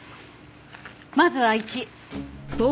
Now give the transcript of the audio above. まずは１。